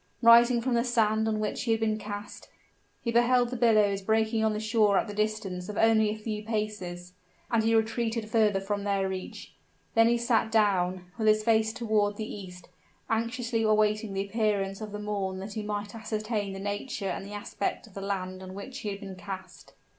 Rising from the sand on which he had been cast, he beheld the billows breaking on the shore at the distance of only a few paces; and he retreated further from their reach. Then he sat down, with his face toward the east, anxiously awaiting the appearance of the morn that he might ascertain the nature and the aspect of the land on which he had been cast.